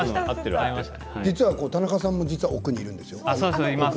実は田中さんも奥にいるんですよ。